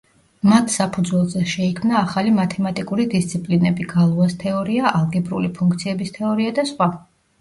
მათ საფუძველზე შეიქმნა ახალი მათემატიკური დისციპლინები: გალუას თეორია, ალგებრული ფუნქციების თეორია და სხვა.